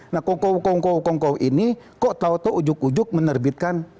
nah kongko kongko ini kok tahu itu ujuk ujuk menerbitkan